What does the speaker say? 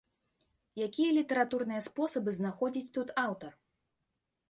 Якія літаратурныя спосабы знаходзіць тут аўтар?